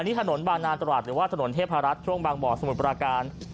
นี่ถนนบางนาตราดหรือว่าถนนเทพรัฐช่วงบางบ่อสมุทรปราการ